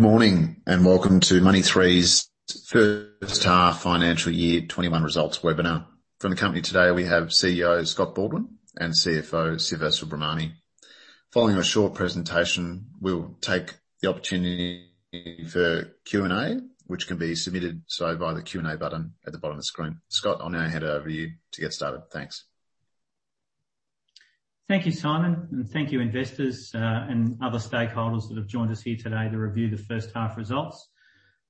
Good morning, and welcome to Money3's first half financial year 2021 results webinar. From the company today, we have CEO Scott Baldwin and CFO Siva Subramani. Following a short presentation, we'll take the opportunity for Q&A, which can be submitted so via the Q&A button at the bottom of the screen. Scott, I'll now hand it over to you to get started. Thanks. Thank you, Simon, and thank you investors and other stakeholders that have joined us here today to review the first half results.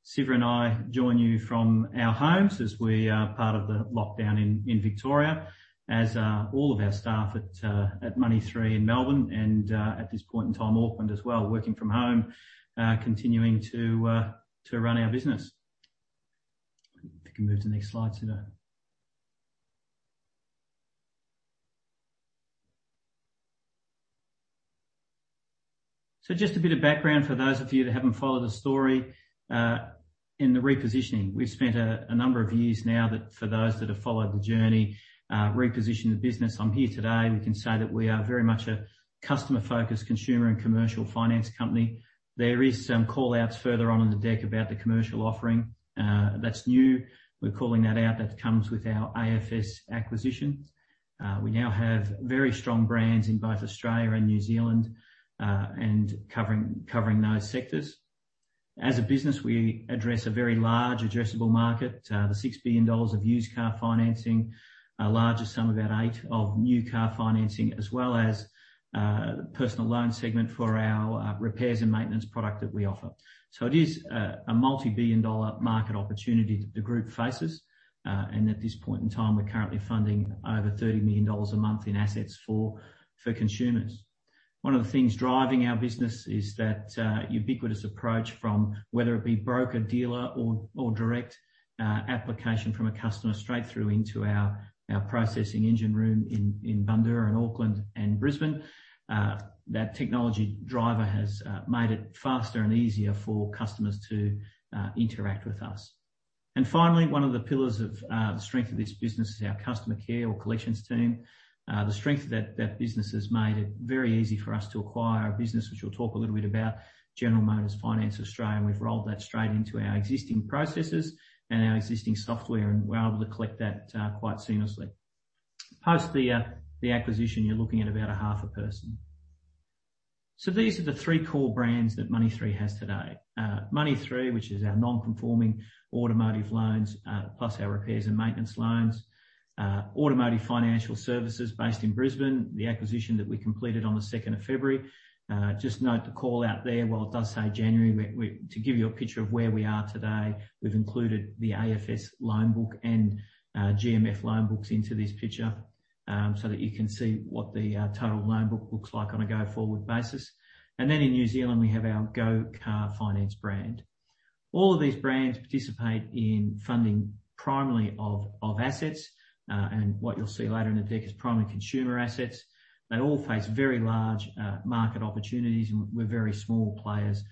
Siva and I join you from our homes as we are part of the lockdown in Victoria as all of our staff at Money3 in Melbourne and, at this point in time, Auckland as well, working from home, continuing to run our business. If you can move to the next slide, Siva. Just a bit of background for those of you that haven't followed the story in the repositioning. We've spent a number of years now, for those that have followed the journey, reposition the business. I'm here today, we can say that we are very much a customer-focused consumer and commercial finance company. There is some call-outs further on in the deck about the commercial offering. That's new. We're calling that out. That comes with our AFS acquisition. We now have very strong brands in both Australia and New Zealand, and covering those sectors. As a business, we address a very large addressable market. The 6 billion dollars of used car financing, a larger sum, about 8 billion, of new car financing, as well as the personal loan segment for our repairs and maintenance product that we offer. It is a multi-billion dollar market opportunity that the group faces. At this point in time, we're currently funding over 30 million dollars a month in assets for consumers. One of the things driving our business is that ubiquitous approach from whether it be broker, dealer, or direct application from a customer straight through into our processing engine room in Bundoora, and Auckland, and Brisbane. That technology driver has made it faster and easier for customers to interact with us. Finally, one of the pillars of the strength of this business is our customer care or collections team. The strength of that business has made it very easy for us to acquire a business, which we'll talk a little bit about, General Motors Finance Australia, we've rolled that straight into our existing processes and our existing software, and we're able to collect that quite seamlessly. Post the acquisition, you're looking at about a half a person. These are the three core brands that Money3 has today. Money3, which is our non-conforming automotive loans, plus our repairs and maintenance loans. Automotive Financial Services based in Brisbane, the acquisition that we completed on the 2nd of February. Just note the call-out there, while it does say January, to give you a picture of where we are today, we've included the AFS loan book and GMF loan books into this picture, so that you can see what the total loan book looks like on a go-forward basis. Then in New Zealand, we have our Go Car Finance brand. All of these brands participate in funding primarily of assets. What you'll see later in the deck is primary consumer assets. They all face very large market opportunities, and we're very small players,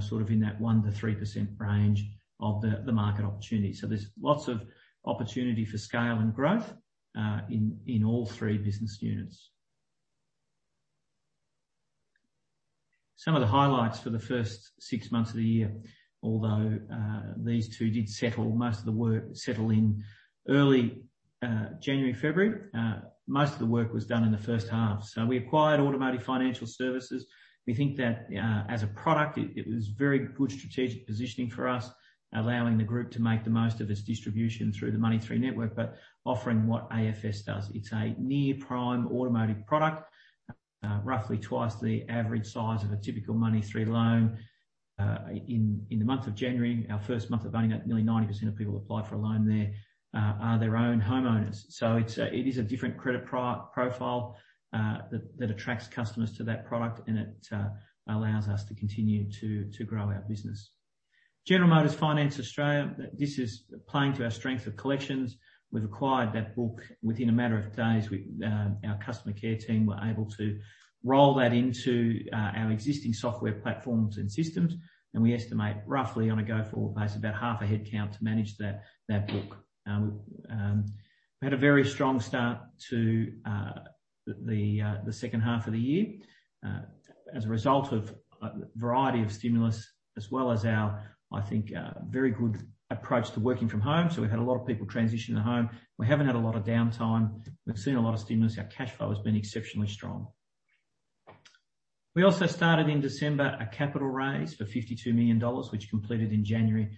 sort of in that 1%-3% range of the market opportunity. There's lots of opportunity for scale and growth, in all three business units. Some of the highlights for the first six months of the year, although these two did settle, most of the work settle in early January, February. Most of the work was done in the first half. We acquired Automotive Financial Services. We think that as a product, it was very good strategic positioning for us, allowing the group to make the most of its distribution through the Money3 network, but offering what AFS does. It's a near-prime automotive product, roughly twice the average size of a typical Money3 loan. In the month of January, our first month of owning that, nearly 90% of people apply for a loan there are their own homeowners. It is a different credit profile that attracts customers to that product, and it allows us to continue to grow our business. General Motors Finance Australia, this is playing to our strength of collections. We've acquired that book. Within a matter of days, our customer care team were able to roll that into our existing software platforms and systems. We estimate roughly on a go-forward basis about half a headcount to manage that book. We had a very strong start to the second half of the year. As a result of a variety of stimulus as well as our, I think, very good approach to working from home. We've had a lot of people transition to home. We haven't had a lot of downtime. We've seen a lot of stimulus. Our cash flow has been exceptionally strong. We also started in December a capital raise for 52 million dollars, which completed in January,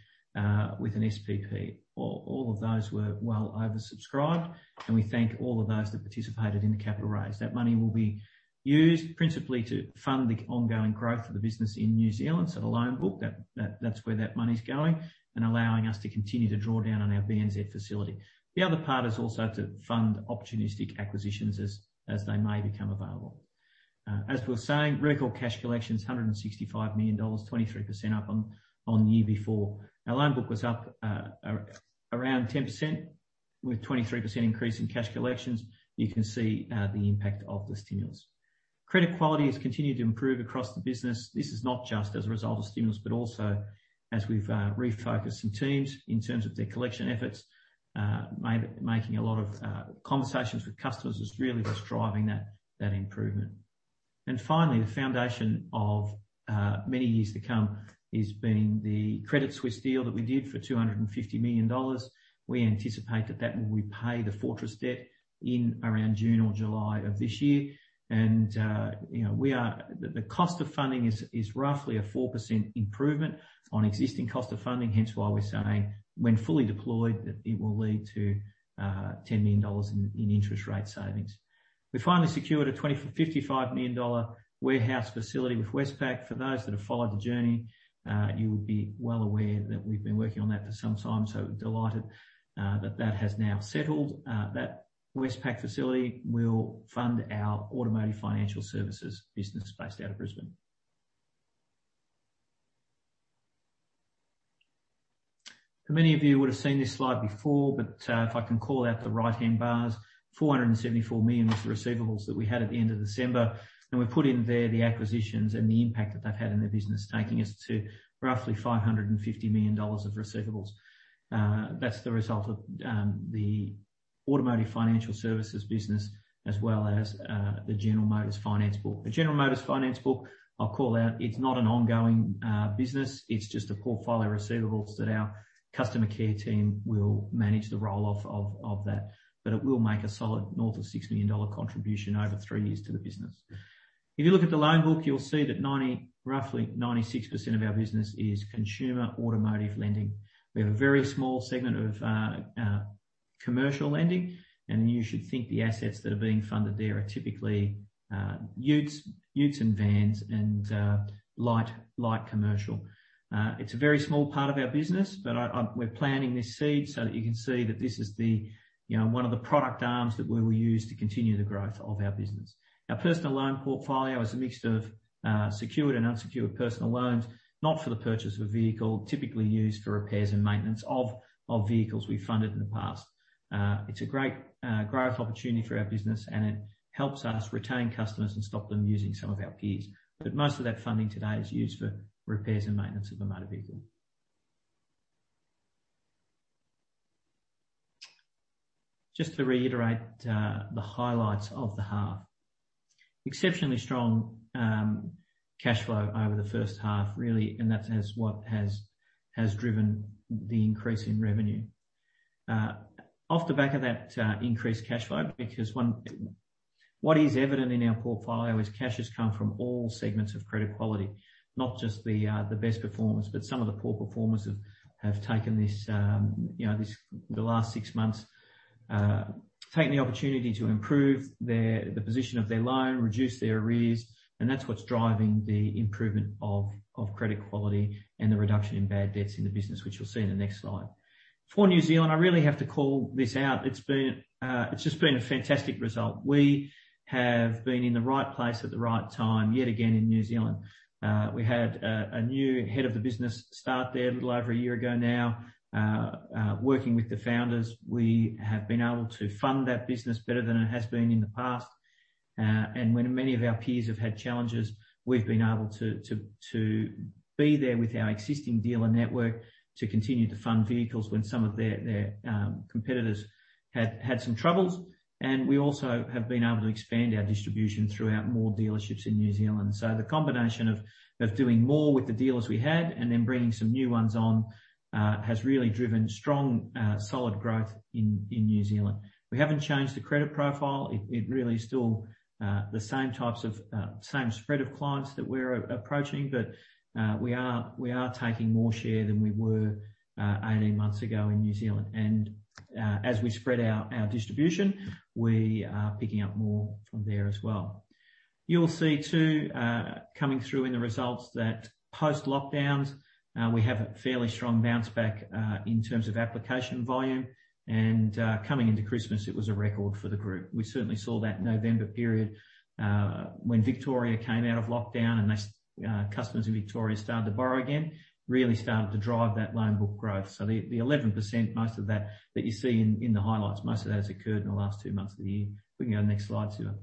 with an SPP. All of those were well oversubscribed. We thank all of those that participated in the capital raise. That money will be used principally to fund the ongoing growth of the business in New Zealand. The loan book, that's where that money's going and allowing us to continue to draw down on our Bank of New Zealand facility. The other part is also to fund opportunistic acquisitions as they may become available. As we were saying, record cash collections, 165 million dollars, 23% up on year before. Our loan book was up around 10% with 23% increase in cash collections. You can see the impact of the stimulus. Credit quality has continued to improve across the business. This is not just as a result of stimulus, but also as we've refocused some teams in terms of their collection efforts, making a lot of conversations with customers is really what's driving that improvement. Finally, the foundation of many years to come has been the Credit Suisse deal that we did for 250 million dollars. We anticipate that that will repay the Fortress debt in around June or July of this year. The cost of funding is roughly a 4% improvement on existing cost of funding, hence why we're saying, when fully deployed, that it will lead to 10 million dollars in interest rate savings. We finally secured a 255 million dollar warehouse facility with Westpac. For those that have followed the journey, you will be well aware that we've been working on that for some time, so delighted that that has now settled. That Westpac facility will fund our Automotive Financial Services business based out of Brisbane. Many of you would've seen this slide before, but if I can call out the right-hand bars, 474 million was the receivables that we had at the end of December, and we've put in there the acquisitions and the impact that they've had in the business, taking us to roughly 550 million dollars of receivables. That's the result of the Automotive Financial Services business, as well as the General Motors finance book. The General Motors finance book, I'll call out, it's not an ongoing business. It's just a portfolio of receivables that our customer care team will manage the roll-off of that. It will make a solid north of 6 million dollar contribution over three years to the business. If you look at the loan book, you'll see that roughly 96% of our business is consumer automotive lending. We have a very small segment of commercial lending, and you should think the assets that are being funded there are typically utes and vans and light commercial. It's a very small part of our business, but we're planting this seed so that you can see that this is one of the product arms that we will use to continue the growth of our business. Our personal loan portfolio is a mixture of secured and unsecured personal loans, not for the purchase of a vehicle, typically used for repairs and maintenance of vehicles we've funded in the past. It's a great growth opportunity for our business, and it helps us retain customers and stop them using some of our peers. Most of that funding today is used for repairs and maintenance of the motor vehicle. Just to reiterate the highlights of the half. Exceptionally strong cash flow over the first half, that is what has driven the increase in revenue. Off the back of that increased cash flow, because what is evident in our portfolio is cash has come from all segments of credit quality, not just the best performers. Some of the poor performers have taken the last six months, taken the opportunity to improve the position of their loan, reduce their arrears, that's what's driving the improvement of credit quality and the reduction in bad debts in the business, which you'll see in the next slide. For New Zealand, I have to call this out. It's just been a fantastic result. We have been in the right place at the right time yet again in New Zealand. We had a new head of the business start there a little over one year ago now. Working with the founders, we have been able to fund that business better than it has been in the past. When many of our peers have had challenges, we've been able to be there with our existing dealer network to continue to fund vehicles when some of their competitors had some troubles. We also have been able to expand our distribution throughout more dealerships in New Zealand. The combination of doing more with the dealers we had and then bringing some new ones on has really driven strong, solid growth in New Zealand. We haven't changed the credit profile. It really is still the same spread of clients that we're approaching, but we are taking more share than we were 18 months ago in New Zealand. As we spread our distribution, we are picking up more from there as well. You'll see, too, coming through in the results that post-lockdown, we have a fairly strong bounce back in terms of application volume. Coming into Christmas, it was a record for the group. We certainly saw that November period, when Victoria came out of lockdown and customers in Victoria started to borrow again, really started to drive that loan book growth. The 11%, most of that that you see in the highlights, most of that has occurred in the last two months of the year. We can go next slide, Siva.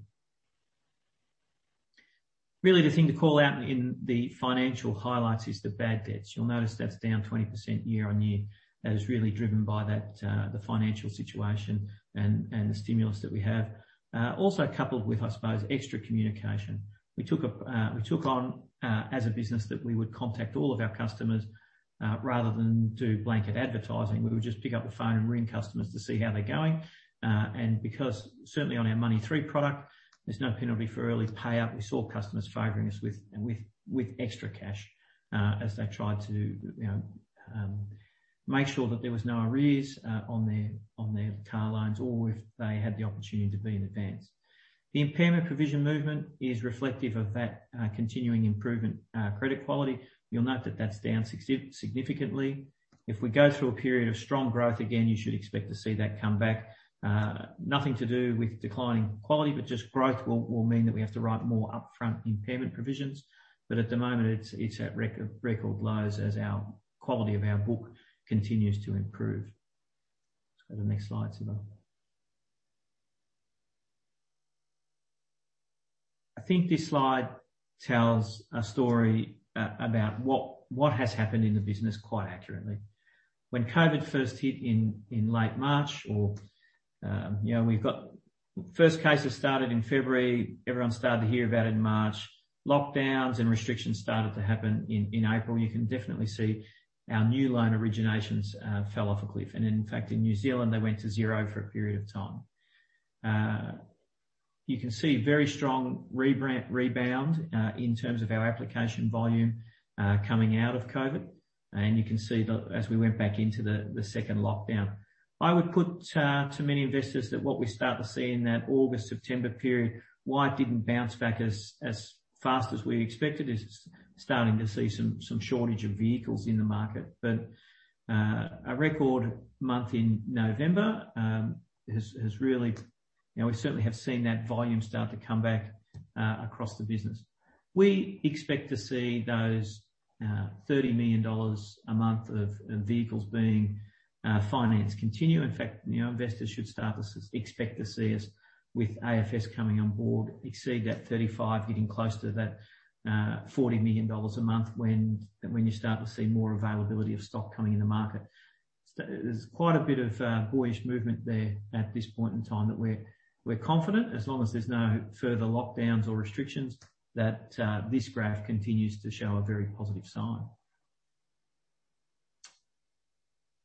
Really the thing to call out in the financial highlights is the bad debts. You'll notice that's down 20% year-on-year. That is really driven by the financial situation and the stimulus that we have. Also coupled with, I suppose, extra communication. We took on, as a business, that we would contact all of our customers rather than do blanket advertising. We would just pick up the phone and ring customers to see how they're going. Because certainly on our Money3 product, there's no penalty for early payout. We saw customers favoring us with extra cash, as they tried to make sure that there was no arrears on their car loans, or if they had the opportunity to pay in advance. The impairment provision movement is reflective of that continuing improvement credit quality. You'll note that that's down significantly. If we go through a period of strong growth again, you should expect to see that come back. Nothing to do with declining quality, just growth will mean that we have to write more upfront impairment provisions. At the moment, it's at record lows as our quality of our book continues to improve. Let's go to the next slide, Siva. I think this slide tells a story about what has happened in the business quite accurately. When COVID first hit in late March, first cases started in February, everyone started to hear about it in March. Lockdowns and restrictions started to happen in April. You can definitely see our new loan originations fell off a cliff, and in fact, in New Zealand, they went to zero for a period of time. You can see very strong rebound in terms of our application volume coming out of COVID, and you can see that as we went back into the second lockdown. I would put to many investors that what we start to see in that August-September period, why it didn't bounce back as fast as we expected, is starting to see some shortage of vehicles in the market. A record month in November. We certainly have seen that volume start to come back across the business. We expect to see those 30 million dollars a month of vehicles being financed continue. In fact, investors should expect to see us, with AFS coming on board, exceed that 35, getting close to that 40 million dollars a month when you start to see more availability of stock coming in the market. There's quite a bit of bullish movement there at this point in time that we're confident, as long as there's no further lockdowns or restrictions, that this graph continues to show a very positive sign.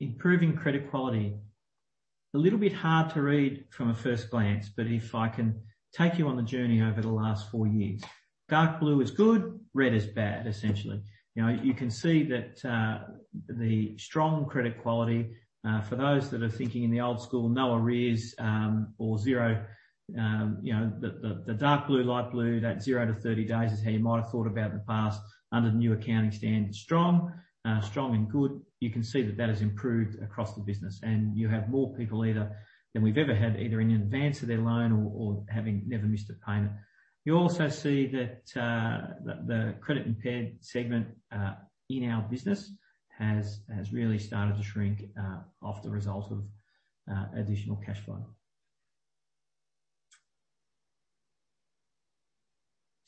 Improving credit quality. A little bit hard to read from a first glance, but if I can take you on the journey over the last four years. Dark blue is good, red is bad, essentially. You can see that the strong credit quality, for those that are thinking in the old school, no arrears or zero. The dark blue, light blue, that zero to 30 days is how you might have thought about in the past. Under the new accounting standard, strong and good. You can see that that has improved across the business, and you have more people than we've ever had, either in advance of their loan or having never missed a payment. You also see that the credit impaired segment in our business has really started to shrink off the result of additional cash flow.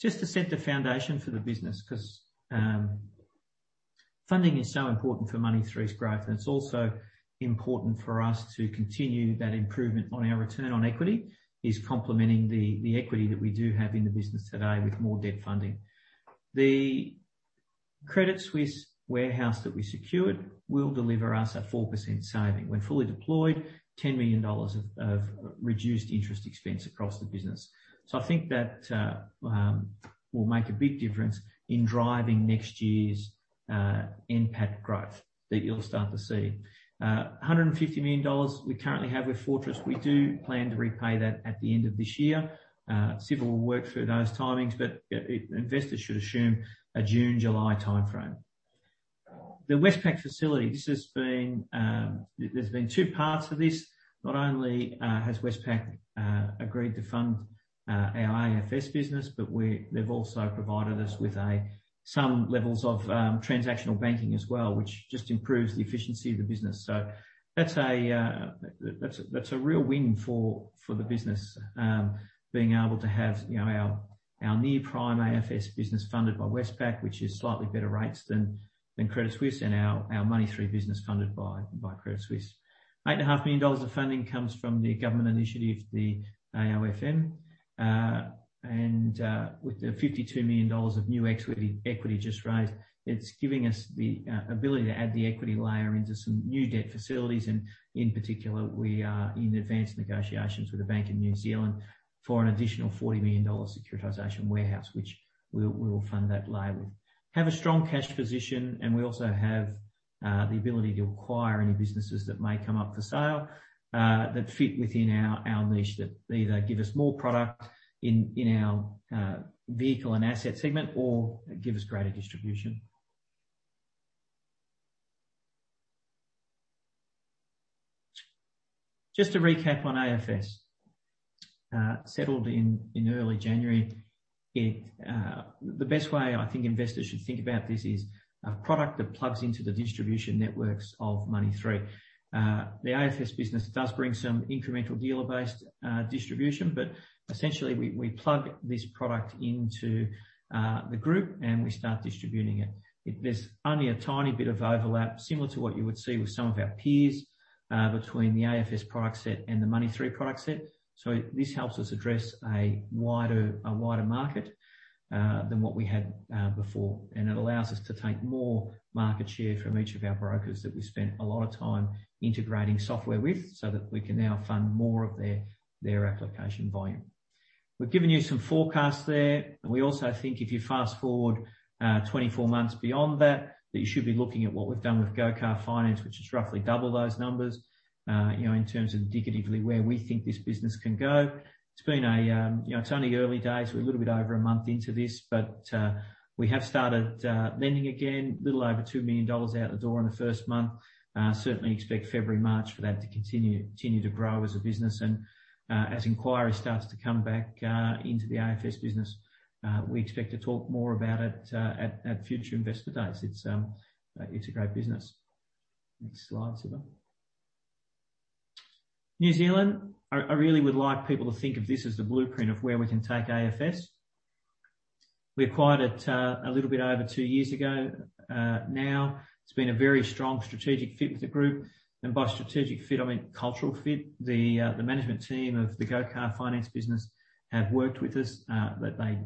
Just to set the foundation for the business, because funding is so important for Money3's growth, and it is also important for us to continue that improvement on our return on equity, is complementing the equity that we do have in the business today with more debt funding. The Credit Suisse warehouse that we secured will deliver us a 4% saving. When fully deployed, 10 million dollars of reduced interest expense across the business. I think that will make a big difference in driving next year's NPAT growth that you will start to see. 150 million dollars we currently have with Fortress. We do plan to repay that at the end of this year. Siva will work through those timings, investors should assume a June-July timeframe. The Westpac facility, there has been two parts to this. Not only has Westpac agreed to fund our AFS business, but they've also provided us with some levels of transactional banking as well, which just improves the efficiency of the business. That's a real win for the business, being able to have our near-prime AFS business funded by Westpac, which is slightly better rates than Credit Suisse, and our Money3 business funded by Credit Suisse. 8.5 million dollars of funding comes from the government initiative, the AOFM, and with the 52 million dollars of new equity just raised, it's giving us the ability to add the equity layer into some new debt facilities. In particular, we are in advanced negotiations with a bank in New Zealand for an additional 40 million dollars securitization warehouse, which we will fund that layer with. Have a strong cash position, and we also have the ability to acquire any businesses that may come up for sale that fit within our niche, that either give us more product in our vehicle and asset segment or give us greater distribution. Just to recap on AFS. Settled in early January. The best way I think investors should think about this is a product that plugs into the distribution networks of Money3. The AFS business does bring some incremental dealer-based distribution, but essentially, we plug this product into the group, and we start distributing it. There's only a tiny bit of overlap, similar to what you would see with some of our peers, between the AFS product set and the Money3 product set. This helps us address a wider market than what we had before, and it allows us to take more market share from each of our brokers that we spent a lot of time integrating software with so that we can now fund more of their application volume. We've given you some forecasts there. We also think if you fast-forward 24 months beyond that you should be looking at what we've done with Go Car Finance, which is roughly double those numbers, in terms of indicatively where we think this business can go. It's only early days. We're a little bit over a month into this, but we have started lending again. Little over 2 million dollars out the door in the first month. Certainly expect February, March for that to continue to grow as a business. As inquiry starts to come back into the AFS business, we expect to talk more about it at future investor days. It's a great business. Next slide, Siva. New Zealand, I really would like people to think of this as the blueprint of where we can take AFS. We acquired it a little bit over two years ago now. It's been a very strong strategic fit with the group, and by strategic fit, I mean cultural fit. The management team of the Go Car Finance business have worked with us,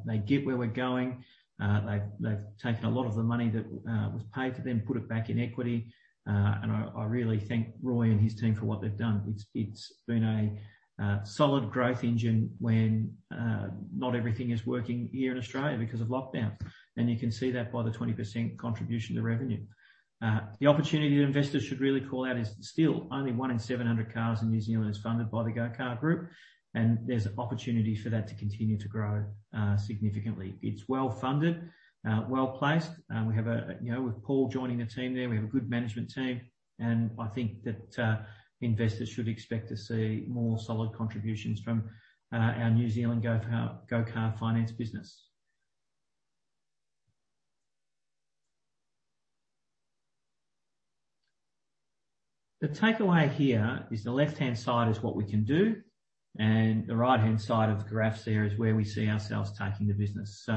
they get where we're going. They've taken a lot of the money that was paid for them, put it back in equity. I really thank Roy and his team for what they've done. It's been a solid growth engine when not everything is working here in Australia because of lockdown, and you can see that by the 20% contribution to revenue. The opportunity that investors should really call out is still only one in 700 cars in New Zealand is funded by the Go Car Finance, and there's opportunity for that to continue to grow significantly. It's well-funded, well-placed. With Paul joining the team there, we have a good management team, and I think that investors should expect to see more solid contributions from our New Zealand Go Car Finance business. The takeaway here is the left-hand side is what we can do, and the right-hand side of the graphs there is where we see ourselves taking the business.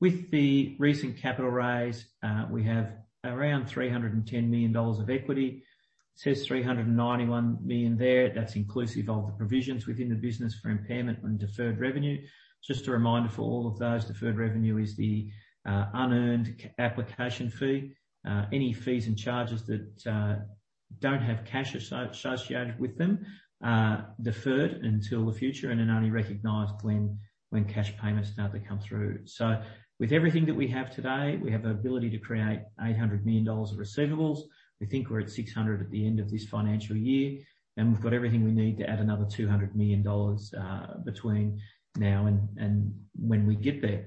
With the recent capital raise, we have around 310 million dollars of equity. It says 391 million there. That's inclusive of the provisions within the business for impairment on deferred revenue. Just a reminder for all of those, deferred revenue is the unearned application fee. Any fees and charges that don't have cash associated with them are deferred until the future, and are only recognized when cash payments start to come through. With everything that we have today, we have the ability to create 800 million dollars of receivables. We think we're at 600 at the end of this financial year, and we've got everything we need to add another 200 million dollars between now and when we get there.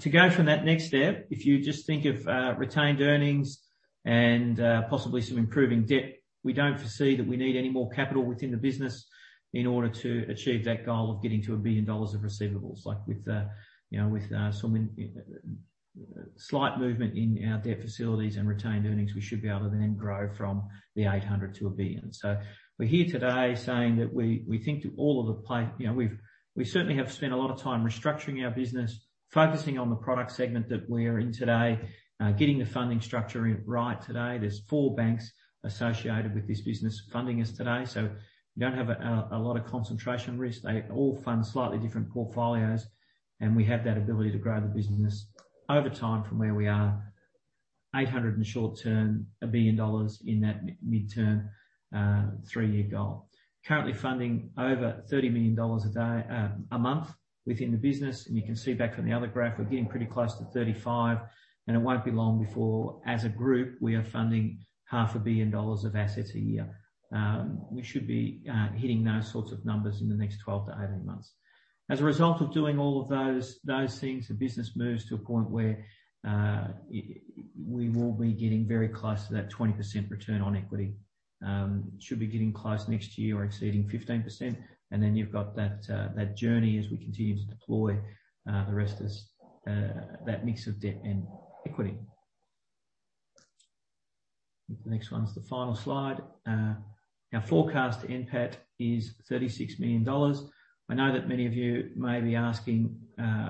To go from that next step, if you just think of retained earnings and possibly some improving debt, we don't foresee that we need any more capital within the business in order to achieve that goal of getting to 1 billion dollars of receivables. With some slight movement in our debt facilities and retained earnings, we should be able to then grow from 800 to 1 billion. We're here today saying that we certainly have spent a lot of time restructuring our business, focusing on the product segment that we're in today, getting the funding structure right today. There's four banks associated with this business funding us today, so we don't have a lot of concentration risk. They all fund slightly different portfolios, and we have that ability to grow the business over time from where we are. 800 in short-term, 1 billion dollars in that mid-term, three-year goal. Currently funding over 30 million dollars a month within the business. You can see back from the other graph, we're getting pretty close to 35. It won't be long before, as a group, we are funding half a billion AUD of assets a year. We should be hitting those sorts of numbers in the next 12-18 months. As a result of doing all of those things, the business moves to a point where we will be getting very close to that 20% return on equity. Should be getting close next year or exceeding 15%. Then you've got that journey as we continue to deploy the rest of that mix of debt and equity. I think the next one's the final slide. Our forecast NPAT is 36 million dollars. I know that many of you may be asking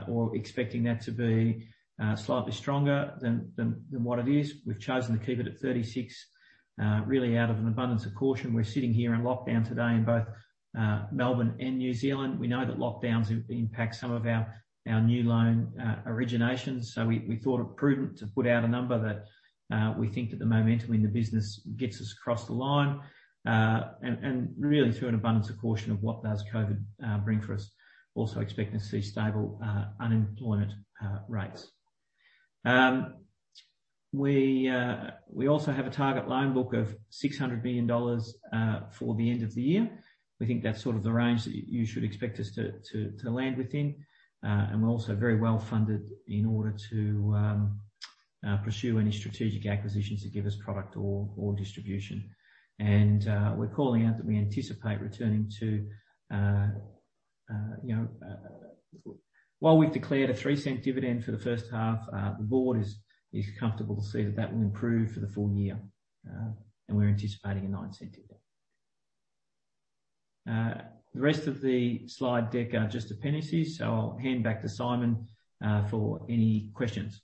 or expecting that to be slightly stronger than what it is. We've chosen to keep it at 36 million really out of an abundance of caution. We're sitting here in lockdown today in both Melbourne and New Zealand. We know that lockdowns impact some of our new loan originations, so we thought it prudent to put out a number that we think that the momentum in the business gets us across the line. Really through an abundance of caution of what does COVID bring for us. Also expecting to see stable unemployment rates. We also have a target loan book of 600 million dollars for the end of the year. We think that's sort of the range that you should expect us to land within. We're also very well-funded in order to pursue any strategic acquisitions that give us product or distribution. We're calling out that we anticipate returning to While we've declared an 0.03 dividend for the first half, the board is comfortable to see that that will improve for the full-year, and we're anticipating an 0.09 dividend. The rest of the slide deck are just appendices. I'll hand back to Simon for any questions.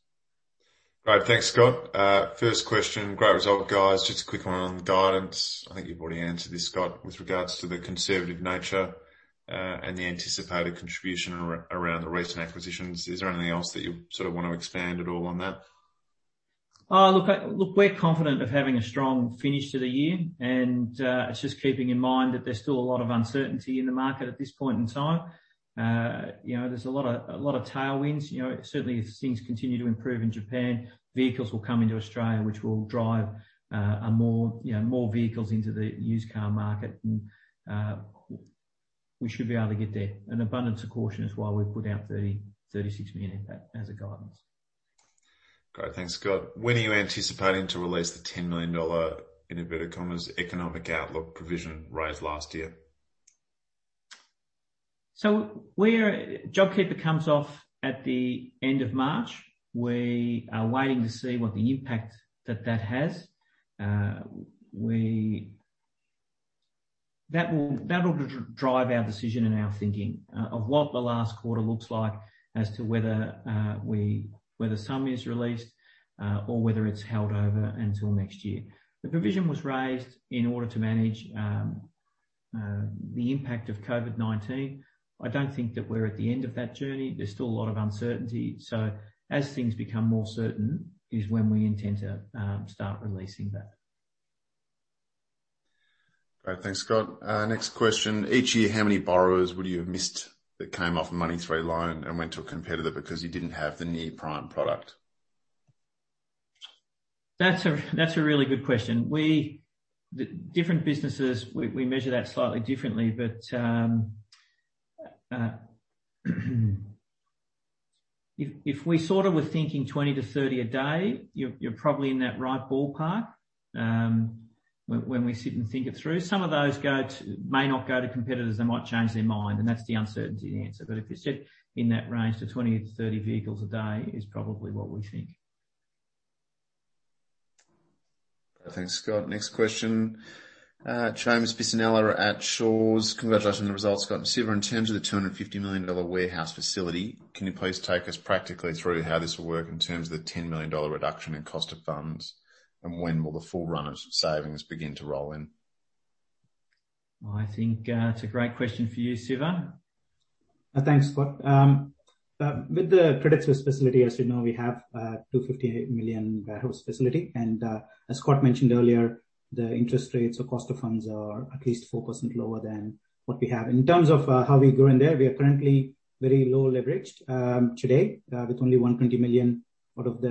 Great. Thanks, Scott. First question. Great result, guys. Just a quick one on guidance. I think you've already answered this, Scott, with regards to the conservative nature and the anticipated contribution around the recent acquisitions. Is there anything else that you sort of want to expand at all on that? Look, we're confident of having a strong finish to the year, and it's just keeping in mind that there's still a lot of uncertainty in the market at this point in time. There's a lot of tailwinds. Certainly, if things continue to improve in Japan, vehicles will come into Australia, which will drive more vehicles into the used car market, and we should be able to get there. An abundance of caution is why we've put out 36 million NPAT as a guidance. Great. Thanks, Scott. When are you anticipating to release the 10 million dollar, in a bit of commas, economic outlook provision raised last year? JobKeeper comes off at the end of March. We are waiting to see what the impact that that has. That will drive our decision and our thinking of what the last quarter looks like as to whether some is released, or whether it's held over until next year. The provision was raised in order to manage the impact of COVID-19. I don't think that we're at the end of that journey. There's still a lot of uncertainty. As things become more certain is when we intend to start releasing that. Great. Thanks, Scott. Next question. Each year, how many borrowers would you have missed that came off a Money3 loan and went to a competitor because you didn't have the near-prime product? That's a really good question. Different businesses, we measure that slightly differently. If we sort of were thinking 20 to 30 a day, you're probably in that right ballpark. When we sit and think it through, some of those may not go to competitors, they might change their mind, and that's the uncertainty answer. If it's in that range to 20 to 30 vehicles a day is probably what we think. Thanks, Scott. Next question. James [Bisognano] at Shaw's. "Congratulations on the results, Scott and Siva. In terms of the 250 million dollar warehouse facility, can you please take us practically through how this will work in terms of the 10 million dollar reduction in cost of funds, and when will the full run of savings begin to roll in? Well, I think that's a great question for you, Siva. Thanks, Scott. With the Credit Suisse facility, as you know, we have a 258 million warehouse facility. As Scott mentioned earlier, the interest rates or cost of funds are at least 4% lower than what we have. In terms of how we go in there, we are currently very low leveraged today, with only 120 million out of the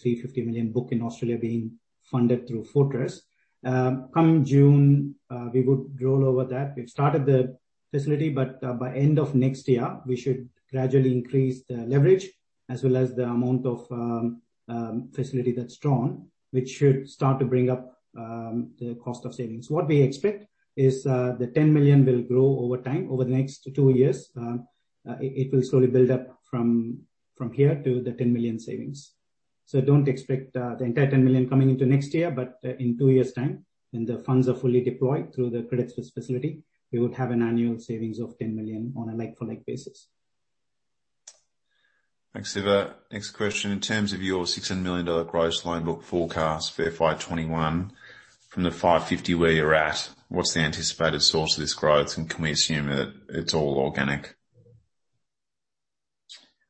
350 million book in Australia being funded through Fortress. Come June, we would roll over that. We've started the facility, but by end of next year, we should gradually increase the leverage as well as the amount of facility that's drawn, which should start to bring up the cost of savings. What we expect is the 10 million will grow over time. Over the next two years, it will slowly build up from here to the 10 million savings. Don't expect the entire 10 million coming into next year, but in two years' time, when the funds are fully deployed through the Credit Suisse facility, we would have an annual savings of 10 million on a like-for-like basis. Thanks, Siva. Next question. In terms of your 600 million dollar gross loan book forecast for FY2021 from the 550 where you're at, what's the anticipated source of this growth, and can we assume that it's all organic?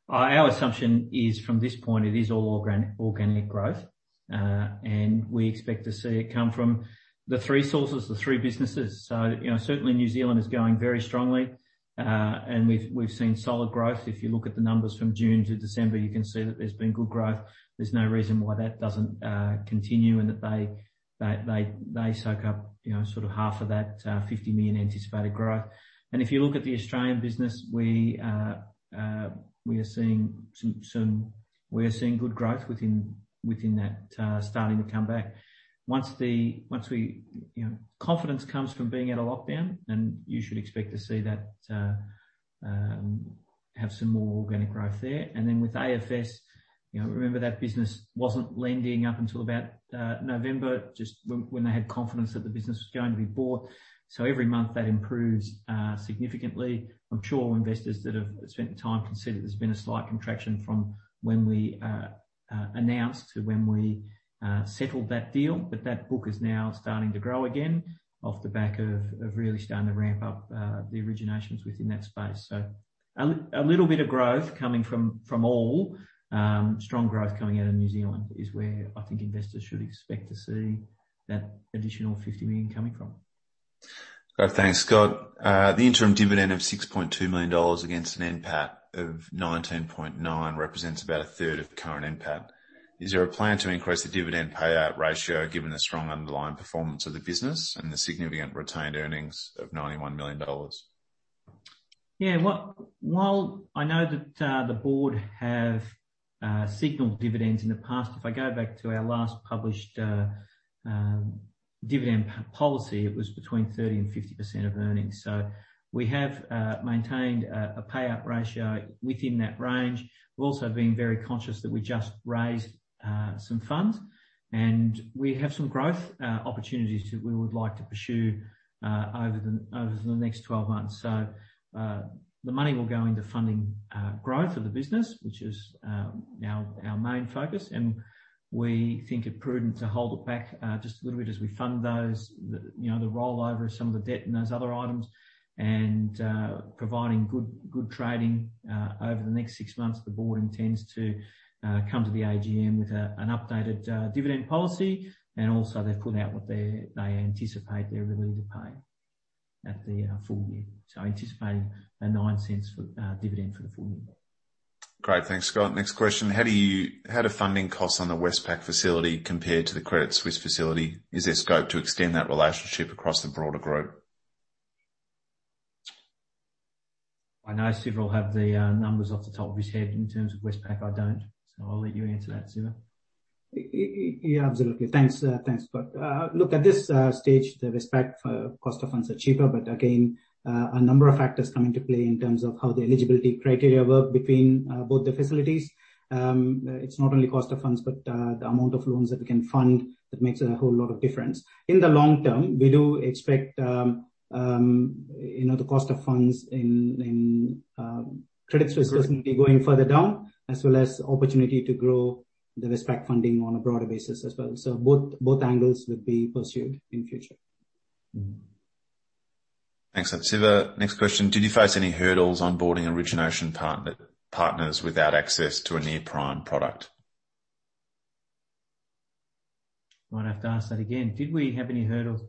Our assumption is from this point, it is all organic growth. We expect to see it come from the three sources, the three businesses. Certainly New Zealand is going very strongly. We've seen solid growth. If you look at the numbers from June to December, you can see that there's been good growth. There's no reason why that doesn't continue and that they soak up half of that 50 million anticipated growth. If you look at the Australian business, we are seeing good growth within that starting to come back. Confidence comes from being out of lockdown, and you should expect to see that have some more organic growth there. With AFS, remember that business wasn't lending up until about November, just when they had confidence that the business was going to be bought. Every month that improves significantly. I'm sure investors that have spent time can see that there's been a slight contraction from when we announced to when we settled that deal. That book is now starting to grow again off the back of really starting to ramp up the originations within that space. A little bit of growth coming from all. Strong growth coming out of New Zealand is where I think investors should expect to see that additional 50 million coming from. Great. Thanks, Scott. The interim dividend of 6.2 million dollars against an NPAT of 19.9 represents about a third of current NPAT. Is there a plan to increase the dividend payout ratio given the strong underlying performance of the business and the significant retained earnings of 91 million dollars? Yeah. While I know that the board have signaled dividends in the past, if I go back to our last published dividend policy, it was between 30% and 50% of earnings. We have maintained a payout ratio within that range. We've also been very conscious that we just raised some funds, and we have some growth opportunities that we would like to pursue over the next 12 months. The money will go into funding growth of the business, which is our main focus, and we think it prudent to hold it back just a little bit as we fund those, the rollover of some of the debt and those other items. Providing good trading over the next 6 months, the board intends to come to the AGM with an updated dividend policy and also they put out what they anticipate they're willing to pay at the full-year. Anticipating an 0.09 dividend for the full year. Great. Thanks, Scott. Next question. How do funding costs on the Westpac facility compare to the Credit Suisse facility? Is there scope to extend that relationship across the broader group? I know Siva will have the numbers off the top of his head. In terms of Westpac, I don't. I'll let you answer that, Siva Yeah, absolutely. Thanks, Scott. Look, at this stage, the respective cost of funds are cheaper, again, a number of factors come into play in terms of how the eligibility criteria work between both the facilities. It's not only cost of funds, but the amount of loans that we can fund that makes a whole lot of difference. In the long-term, we do expect the cost of funds in Credit Suisse going further down, as well as opportunity to grow the respective funding on a broader basis as well. Both angles will be pursued in future. Thanks, Siva. Next question. Did you face any hurdles onboarding origination partners without access to a near-prime product? Might have to ask that again. Did we have any hurdles?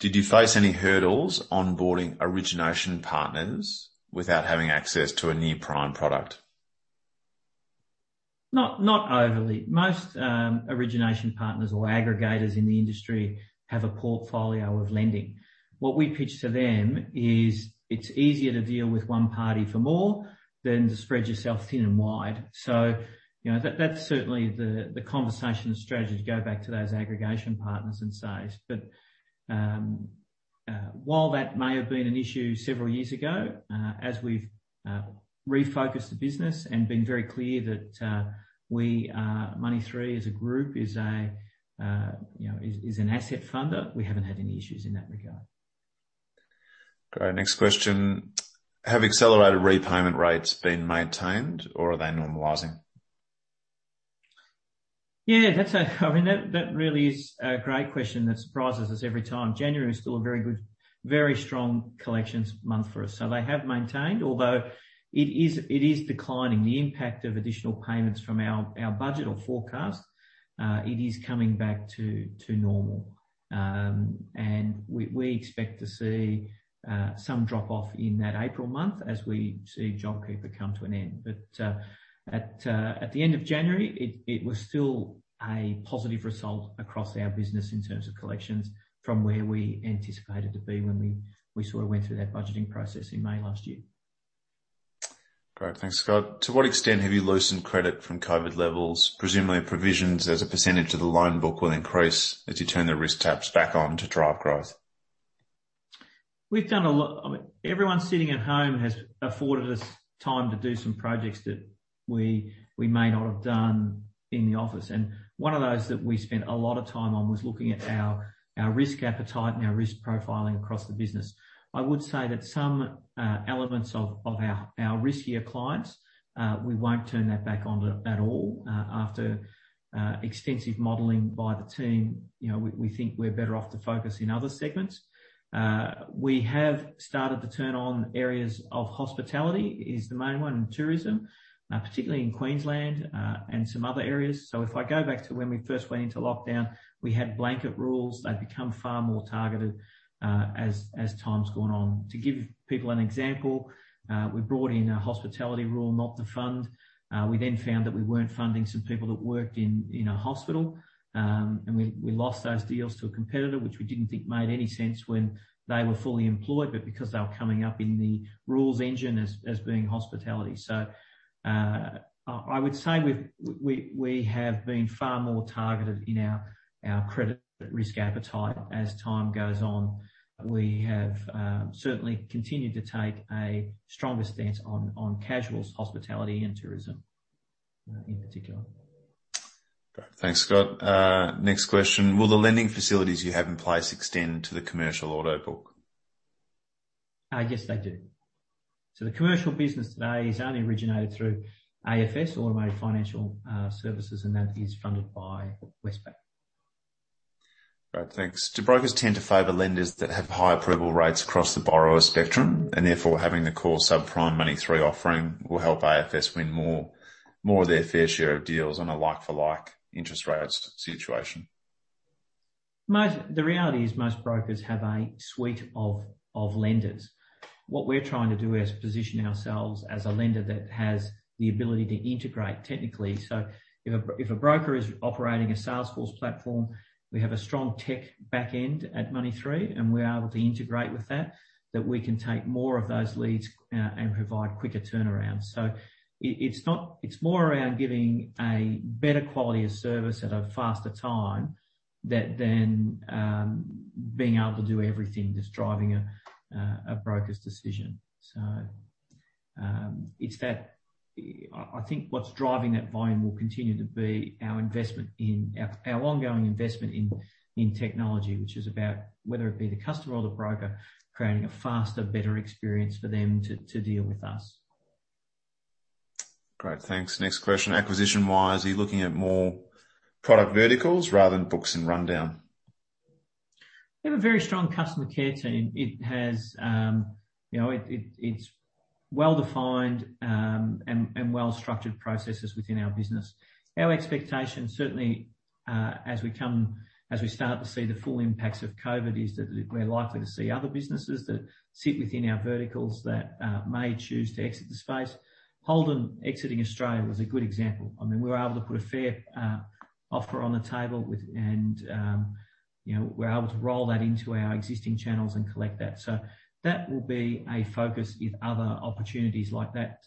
Did you face any hurdles onboarding origination partners without having access to a near-prime product? Not overly. Most origination partners or aggregators in the industry have a portfolio of lending. What we pitch to them is it's easier to deal with one party for more than to spread yourself thin and wide. That's certainly the conversation and strategy to go back to those aggregation partners and say. While that may have been an issue several years ago, as we've refocused the business and been very clear that we are, Money3 as a group is an asset funder, we haven't had any issues in that regard. Great. Next question. Have accelerated repayment rates been maintained or are they normalizing? Yeah, that really is a great question that surprises us every time. January is still a very good, very strong collections month for us. They have maintained, although it is declining. The impact of additional payments from our budget or forecast, it is coming back to normal. We expect to see some drop off in that April month as we see JobKeeper come to an end. At the end of January, it was still a positive result across our business in terms of collections from where we anticipated to be when we sort of went through that budgeting process in May last year. Great, thanks, Scott. To what extent have you loosened credit from COVID levels? Presumably, provisions as a percentage of the loan book will increase as you turn the risk taps back on to drive growth. We've done a lot. Everyone sitting at home has afforded us time to do some projects that we may not have done in the office. One of those that we spent a lot of time on was looking at our risk appetite and our risk profiling across the business. I would say that some elements of our riskier clients, we won't turn that back on at all. After extensive modeling by the team, we think we're better off to focus in other segments. We have started to turn on areas of hospitality is the main one, and tourism, particularly in Queensland, and some other areas. If I go back to when we first went into lockdown, we had blanket rules. They've become far more targeted as time's gone on. To give people an example, we brought in a hospitality rule not to fund. We found that we weren't funding some people that worked in a hospital, and we lost those deals to a competitor, which we didn't think made any sense when they were fully employed, but because they were coming up in the rules engine as being hospitality. I would say we have been far more targeted in our credit risk appetite as time goes on. We have certainly continued to take a strong stance on casuals, hospitality, and tourism in particular. Great. Thanks, Scott. Next question. Will the lending facilities you have in place extend to the commercial auto book? Yes, they do. The commercial business today is only originated through AFS, Automotive Financial Services, and that is funded by Westpac. Great, thanks. Do brokers tend to favor lenders that have high approval rates across the borrower spectrum, and therefore having the core subprime Money3 offering will help AFS win more of their fair share of deals on a like for like interest rates situation? The reality is most brokers have a suite of lenders. What we're trying to do is position ourselves as a lender that has the ability to integrate technically. If a broker is operating a Salesforce platform, we have a strong tech back end at Money3, and we're able to integrate with that we can take more of those leads and provide quicker turnarounds. It's more around giving a better quality of service at a faster time than being able to do everything, just driving a broker's decision. I think what's driving that volume will continue to be our ongoing investment in technology, which is about whether it be the customer or the broker, creating a faster, better experience for them to deal with us. Great, thanks. Next question. Acquisition-wise, are you looking at more product verticals rather than books and rundown? We have a very strong customer care team. It's well defined, and well-structured processes within our business. Our expectation, certainly, as we start to see the full impacts of COVID, is that we're likely to see other businesses that sit within our verticals that may choose to exit the space. Holden exiting Australia was a good example. We were able to put a fair offer on the table and we were able to roll that into our existing channels and collect that. That will be a focus if other opportunities like that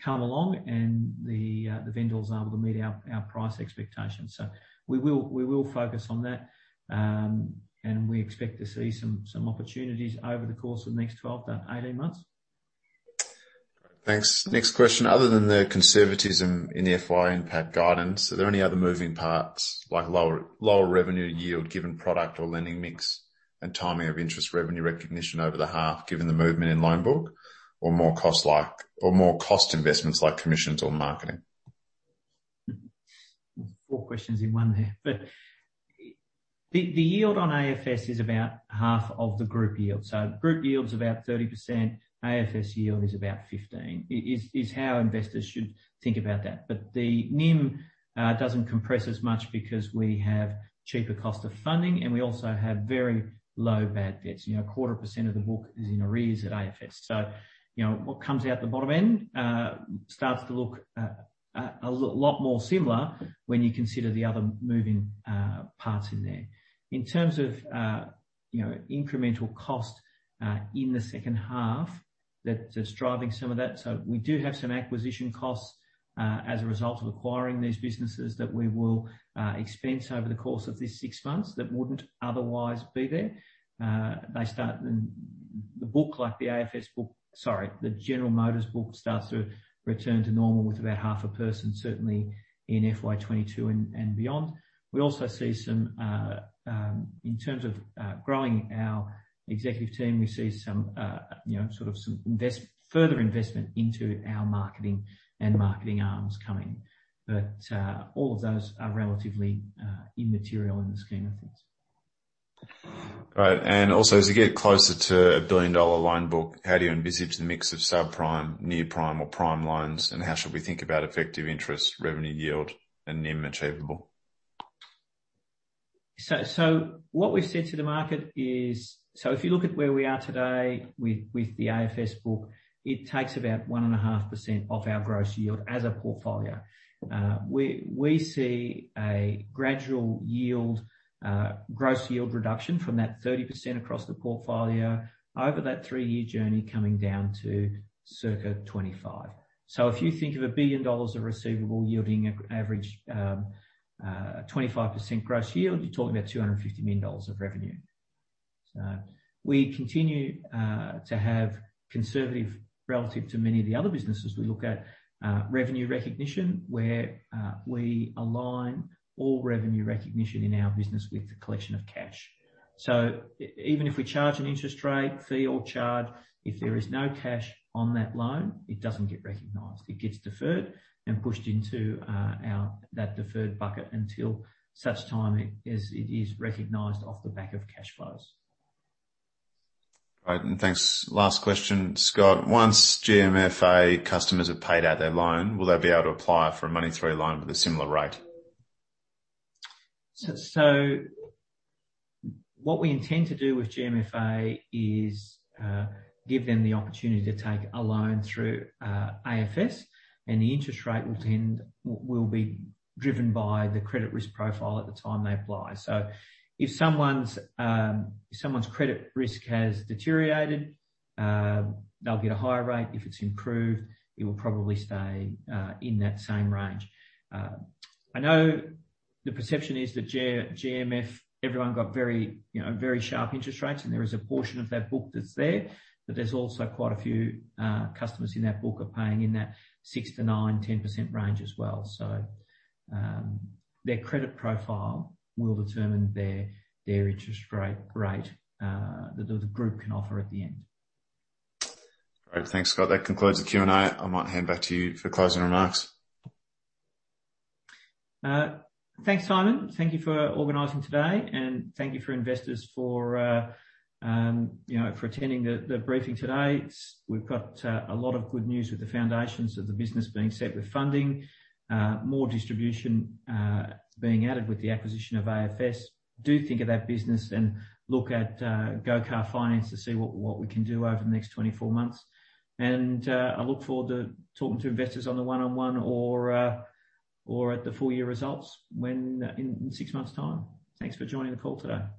come along and the vendor's able to meet our price expectations. We will focus on that, and we expect to see some opportunities over the course of the next 12-18 months. Thanks. Next question. Other than the conservatism in the FY impact guidance, are there any other moving parts like lower revenue yield given product or lending mix and timing of interest revenue recognition over the half, given the movement in loan book or more cost investments like commissions or marketing? Four questions in one there, the yield on AFS is about half of the group yield. Group yield is about 30%, AFS yield is about 15%, is how investors should think about that. The NIM doesn't compress as much because we have cheaper cost of funding, and we also have very low bad debts. A quarter percent of the book is in arrears at AFS. What comes out the bottom end starts to look a lot more similar when you consider the other moving parts in there. In terms of incremental cost in the second half, that's driving some of that. We do have some acquisition costs as a result of acquiring these businesses that we will expense over the course of this six months that wouldn't otherwise be there. The book, like the AFS book, sorry, the General Motors book starts to return to normal with about half a person, certainly in FY 2022 and beyond. We also see some, in terms of growing our executive team, we see some further investment into our marketing and marketing arms coming. All of those are relatively immaterial in the scheme of things. Great. Also, as you get closer to a billion-dollar loan book, how do you envisage the mix of subprime, near-prime, or prime loans, and how should we think about effective interest revenue yield and NIM achievable? What we've said to the market is, if you look at where we are today with the AFS book, it takes about 1.5% of our gross yield as a portfolio. We see a gradual gross yield reduction from that 30% across the portfolio over that three-year journey coming down to circa 25%. If you think of 1 billion dollars of receivable yielding average, 25% gross yield, you're talking about 250 million dollars of revenue. We continue to have conservative, relative to many of the other businesses we look at, revenue recognition where we align all revenue recognition in our business with the collection of cash. Even if we charge an interest rate, fee, or charge, if there is no cash on that loan, it doesn't get recognized. It gets deferred and pushed into that deferred bucket until such time as it is recognized off the back of cash flows. Right. Thanks. Last question, Scott. Once GMFA customers have paid out their loan, will they be able to apply for a Money3 loan with a similar rate? What we intend to do with GMFA is give them the opportunity to take a loan through AFS, and the interest rate will be driven by the credit risk profile at the time they apply. If someone's credit risk has deteriorated, they'll get a higher rate. If it's improved, it will probably stay in that same range. I know the perception is that GMF, everyone got very sharp interest rates, and there is a portion of that book that's there. There's also quite a few customers in that book are paying in that 6%-9%, 10% range as well. Their credit profile will determine their interest rate that the group can offer at the end. Great. Thanks, Scott. That concludes the Q&A. I might hand back to you for closing remarks. Thanks, Simon. Thank you for organizing today, and thank you for investors for attending the briefing today. We've got a lot of good news with the foundations of the business being set with funding, more distribution being added with the acquisition of AFS. Do think of that business and look at Go Car Finance to see what we can do over the next 24 months. I look forward to talking to investors on the one-on-one or at the full year results in six months' time. Thanks for joining the call today.